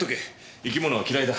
生き物は嫌いだ。